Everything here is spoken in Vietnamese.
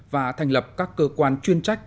và thành lập các cơ quan chuyên trách